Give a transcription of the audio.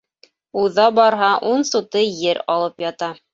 Уҙа барһа, ун сутый ер алып ята.